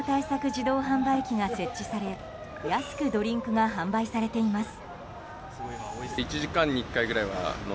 自動販売機が設置され安くドリンクが販売されています。